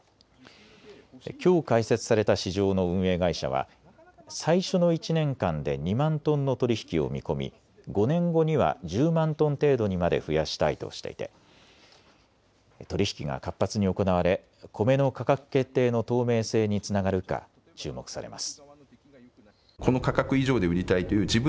きょう開設された市場の運営会社は最初の１年間で２万トンの取り引きを見込み５年後には１０万トン程度にまで増やしたいとしていて取り引きが活発に行われコメの価格決定の透明性につながるか注目されます。